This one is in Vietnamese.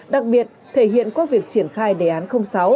đặc biệt thể hiện qua việc triển khai đề án sáu